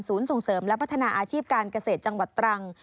ส่งเสริมและพัฒนาอาชีพการเกษตรจังหวัดตรัง